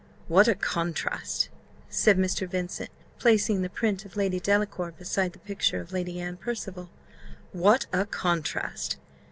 "What a contrast!" said Mr. Vincent, placing the print of Lady Delacour beside the picture of Lady Anne Percival. "What a contrast!